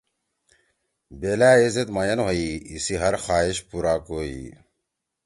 بیلأ ایزید مئین ہوئی ایِسی ہر خواہش پُورا کوئی۔